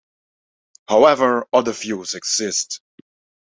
However, other views exist.